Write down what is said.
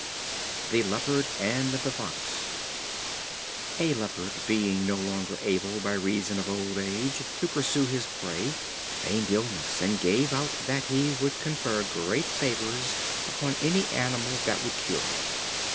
The Leopard and the Fox. A Leopard, being no longer able, by reason of old age, to pursue his prey, feigned illness, and gave out that he would confer great favors upon any animal that would cure him.